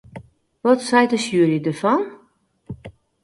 Wat seit de sjuery derfan?